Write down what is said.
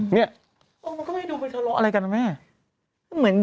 มันก็ไม่ดูเป็นสละอะไรกันนะแม่